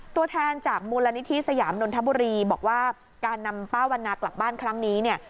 ตัวแทนจากมูลนิธิสยามนนทบุรีบอกว่าการนำป้าวันนากลับบ้านครั้งนี้เนี่ย